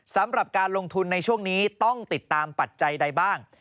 สำหรับการลงทุนในช่วงนี้ต้องติดตามปัจจัยใดบ้าง